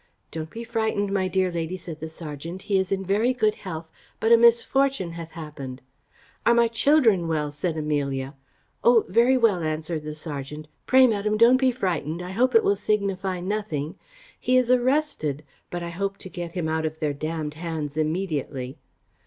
"Don't be frightened, my dear lady," said the serjeant: "he is in very good health; but a misfortune hath happened." "Are my children well?" said Amelia. "O, very well," answered the serjeant. "Pray, madam, don't be frightened; I hope it will signify nothing he is arrested, but I hope to get him out of their damned hands immediately."